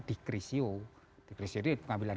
dikrisio dikrisio itu pengambilan